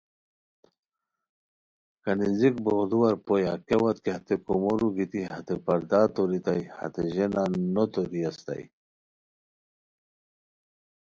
کنیزیک بوغدوار پویا کیاوت کی ہتے کوُمورو گیتی ہتے پردا توریتائے ہتے ژینا نو توری اسیتائے